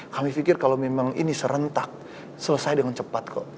kami pikir kalau memang ini serentak selesai dengan cepat kok